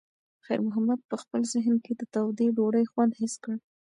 خیر محمد په خپل ذهن کې د تودې ډوډۍ خوند حس کړ.